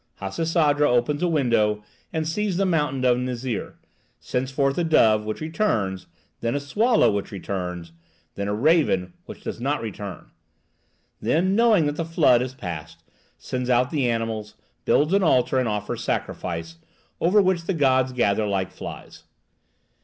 Hasisadra opens a window and sees the mountain of Nizir, sends forth a dove, which returns; then a swallow, which returns; then a raven, which does not return; then, knowing that the flood has passed, sends out the animals, builds an altar, and offers sacrifice, over which the gods gather like flies.